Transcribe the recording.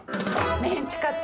メンチカツ。